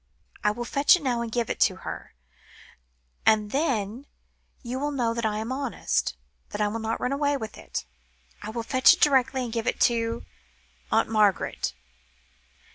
"I will fetch it now and give it to her, and then you will know that I am honest that I shall not run away with it. I will fetch it directly, and give it to Aunt Margaret!"